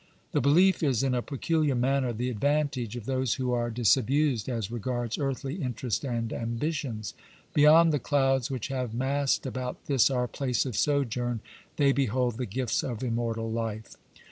^ The belief is in a peculiar manner the advantage of those who are dis abused as regards earthly interest and ambitions. " Beyond the clouds which have massed about this our place of sojourn they behold the gifts of immortal life."